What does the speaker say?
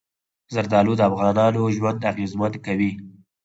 زردالو د افغانانو ژوند اغېزمن کوي.